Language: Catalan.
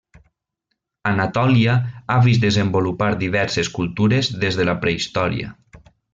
Anatòlia ha vist desenvolupar diverses cultures des de la prehistòria.